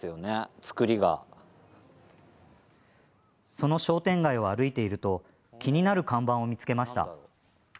その商店街を歩いていると気になる看板を見つけました。